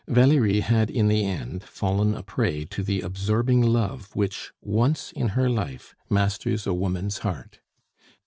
Valerie had in the end fallen a prey to the absorbing love which, once in her life, masters a woman's heart.